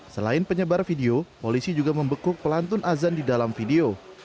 selain penyebar video polisi juga membekuk pelantun azan di dalam video